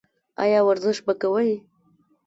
ایا ورزش به کوئ؟